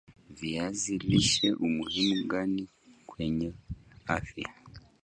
viazi lishe umuhimu gani kwenye afya